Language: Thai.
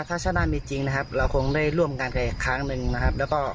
เป็นหนึ่งในวีรบุรุษที่ช่วย๑๓หมูป่า